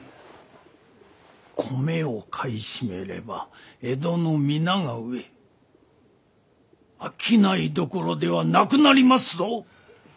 米を買い占めれば江戸の皆が飢え商いどころではなくなりますぞ！